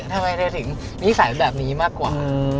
ทำไมเธอถึงนิสัยแบบนี้มากกว่า